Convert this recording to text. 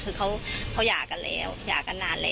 เพราะไม่เคยถามลูกสาวนะว่าไปทำธุรกิจแบบไหนอะไรยังไง